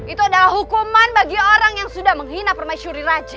itu adalah hukuman bagi orang yang sudah menghina permaisuri rach